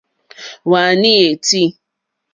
Wàní é tíí.